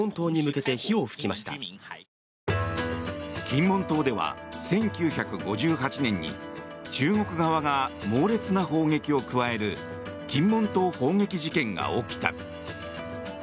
金門島では１９５８年に中国側が猛烈な砲撃を加える金門島砲撃事件が起きた。